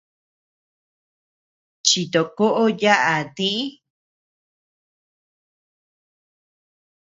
Chitokoʼo yaʼa tï.